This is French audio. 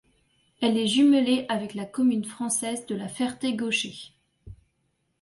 Elle est jumelée avec la commune française de La Ferté-Gaucher.